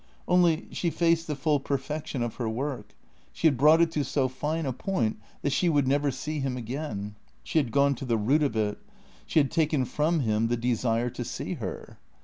Only, she faced the full perfection of her work. She had brought it to so fine a point that she would never see him again; she had gone to the root of it; she had taken from him the desire to see her.